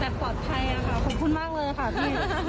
แต่ปลอดภัยค่ะขอบคุณมากเลยค่ะพี่